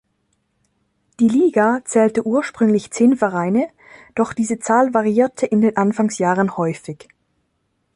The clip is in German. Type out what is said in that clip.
Die Liga zählte ursprünglich zehn Vereine, doch diese Zahl variierte in den Anfangsjahren häufig.